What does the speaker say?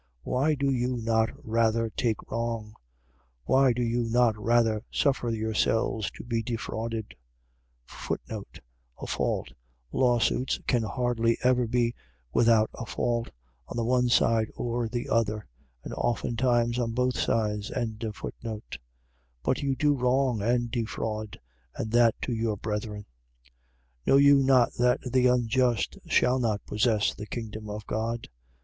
Why do you not rather take wrong? Why do you not rather suffer yourselves to be defrauded? A fault. . .Lawsuits can hardly ever be without a fault, on the one side or the other; and oftentimes on both sides. 6:8. But you do wrong and defraud: and that to your brethren. 6:9. Know you not that the unjust shall not possess the kingdom of God?